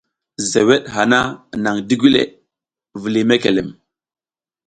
Zeweɗ hana naƞ digule, vuliy mekelem.